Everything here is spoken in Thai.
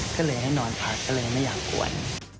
ก็เลยให้นอนพักก็เลยไม่อยากกวน